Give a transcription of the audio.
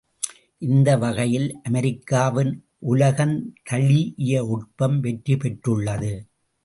இந்த வகையில் அமெரிக்காவின் உலகந்தழீஇய ஒட்பம் வெற்றி பெற்றுள்ளது.